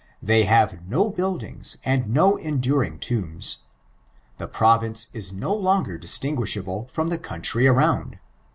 They have no boildinga, and no enduring tomba. The province ia no koger dlatin gniihable from the ooontry arouid.